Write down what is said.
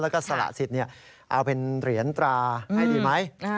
แล้วก็สละสิทธิ์เอาเป็นเหรียญตราให้ดีไหม